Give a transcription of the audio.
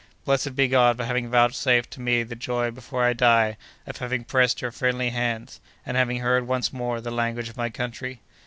"Blessed be God for having vouchsafed to me the joy before I die of having pressed your friendly hands, and having heard, once more, the language of my country!"